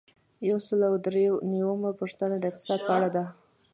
یو سل او درې نوي یمه پوښتنه د اقتصاد په اړه ده.